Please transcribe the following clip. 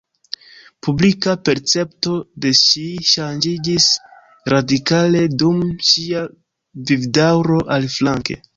Publika percepto de ŝi ŝanĝiĝis radikale dum ŝia vivdaŭro, aliflanke.